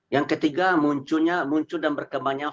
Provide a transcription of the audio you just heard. yang ketiga munculnya muncul dan berkembangnya